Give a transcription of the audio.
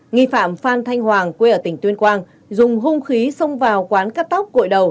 nghi phạm phan thanh hoàng quê ở tỉnh tuyên quang dùng hung khí xông vào quán cắt tóc cội đầu